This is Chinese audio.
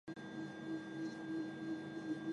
广东乡试第五十名。